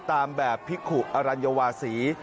ตามแบบภิกุอรัญวาศี